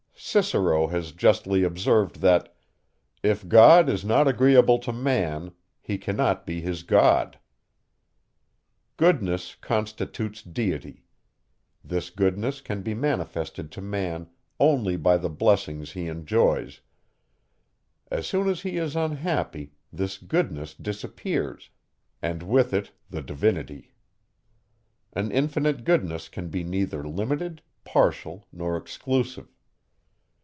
Cicero has justly observed, that if God is not agreeable to man, he cannot be his God. Goodness constitutes deity; this goodness can be manifested to man only by the blessings he enjoys; as soon as he is unhappy, this goodness disappears, and with it the divinity. An infinite goodness can be neither limited, partial, nor exclusive.